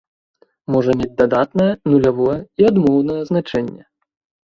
Можа мець дадатнае, нулявое і адмоўнае значэнне.